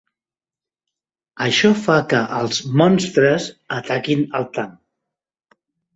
Això fa que els monstres ataquin el tanc.